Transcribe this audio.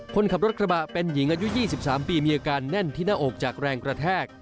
คนขับรถกระบะเป็นหญิงอายุ๒๓ปีมีอาการแน่นที่หน้าอกจากแรงกระแทก